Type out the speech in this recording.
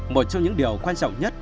một trong những điều quan trọng nhất